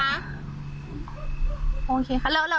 นานเลยค่ะเดี๋ยวเช้าเลยค่ะ